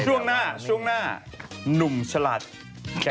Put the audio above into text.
ช่วงหน้าช่วงหน้า